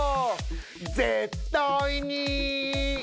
絶対に。